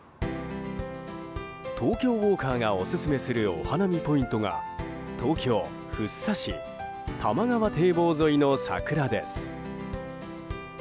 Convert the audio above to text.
「東京ウォーカー」がオススメするお花見ポイントが東京・福生市多摩川堤防沿いの桜です。